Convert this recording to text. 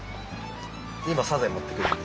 今サザエ持ってくるんで。